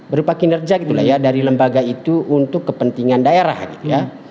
berupa kinerja gitu lah ya dari lembaga itu untuk kepentingan daerah gitu ya